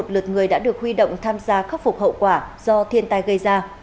hai chín trăm linh một lượt người đã được huy động tham gia khắc phục hậu quả do thiên tai gây ra